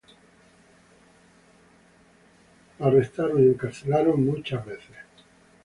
Fue arrestado y encarcelado muchas veces.